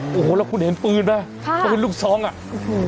น้าฮะโอ้โหแล้วคุณเห็นปืนมั้ยครับปืนลูกทรอง่ะอุ่มอุ้ย